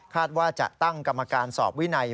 ว่าจะตั้งกรรมการสอบวินัย